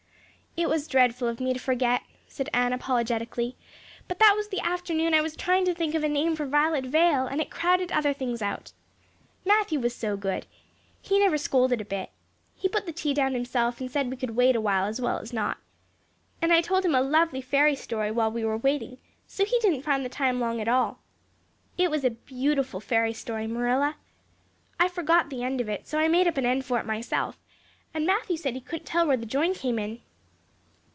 "It was dreadful of me to forget," said Anne apologetically, "but that was the afternoon I was trying to think of a name for Violet Vale and it crowded other things out. Matthew was so good. He never scolded a bit. He put the tea down himself and said we could wait awhile as well as not. And I told him a lovely fairy story while we were waiting, so he didn't find the time long at all. It was a beautiful fairy story, Marilla. I forgot the end of it, so I made up an end for it myself and Matthew said he couldn't tell where the join came in."